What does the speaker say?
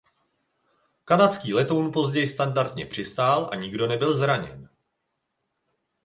Kanadský letoun později standardně přistál a nikdo nebyl zraněn.